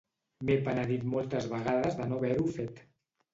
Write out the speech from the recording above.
M'he penedit moltes vegades de no haver-ho fet.